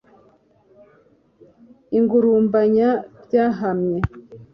Ingurumbanya byahamye